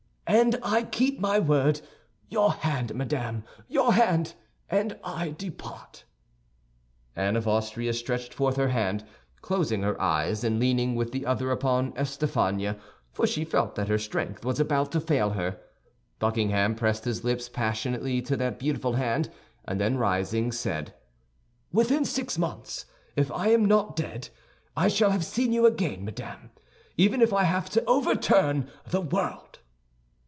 "And I keep my word. Your hand, madame, your hand, and I depart!" Anne of Austria stretched forth her hand, closing her eyes, and leaning with the other upon Estafania, for she felt that her strength was about to fail her. Buckingham pressed his lips passionately to that beautiful hand, and then rising, said, "Within six months, if I am not dead, I shall have seen you again, madame—even if I have to overturn the world."